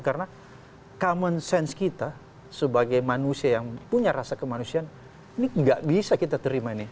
karena common sense kita sebagai manusia yang punya rasa kemanusiaan ini tidak bisa kita terima ini